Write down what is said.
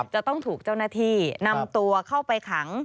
จะต้องถูกเจ้าหน้าที่นำตัวเข้าไปขัง